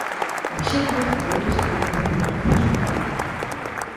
Por exemplo, estrañoulles que ela perdera dúas veces o móbil.